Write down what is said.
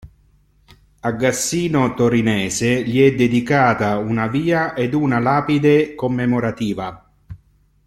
A Gassino Torinese gli è dedicata una via ed una lapide commemorativa.